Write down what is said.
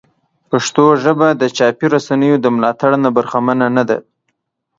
پښتو ژبه د چاپي رسنیو د ملاتړ نه برخمنه نه ده.